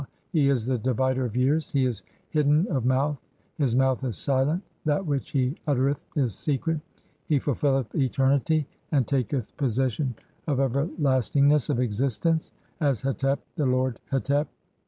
(14) He is the "divider of years, he is hidden of mouth, his mouth is silent, "that which he uttereth is secret, he fulfilleth eternity and taketh "possession of everlastingness of existence as Hetep, the lord "Hetep.